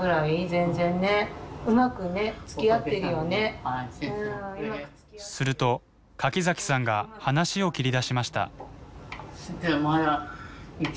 すごいもうすると柿崎さんが話を切り出しました。